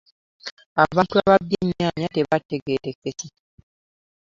Abantu ababbye ennyaanya tebaategeerekese.